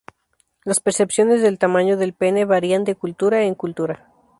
Las percepciones del tamaño del pene varían de cultura en cultura.